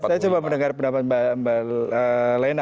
saya coba mendengar pendapat mbak lena